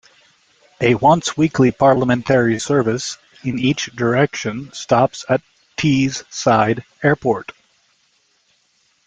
A once weekly parliamentary service in each direction stops at Tees-side Airport.